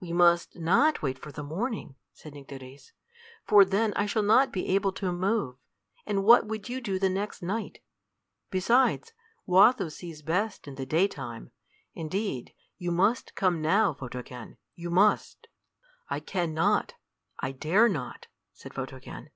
"We must not wait for the morning," said Nycteris, "for then I shall not be able to move, and what would you do the next night? Besides, Watho sees best in the daytime. Indeed, you must come now, Photogen. You must." "I can not; I dare not," said Photogen.